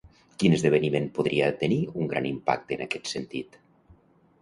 Quin esdeveniment podria tenir un gran impacte en aquest sentit?